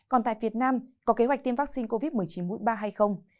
còn tại việt nam có kế hoạch tiêm vaccine covid một mươi chín mũi ba hay không